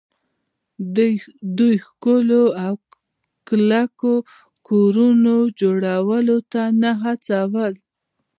دوی ښکلو او کلکو کورونو جوړولو ته نه هڅول